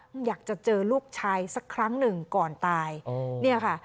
มันอยากจะเจอลูกชายสักครั้งหนึ่งก่อนตายอืมเนี่ยค่ะ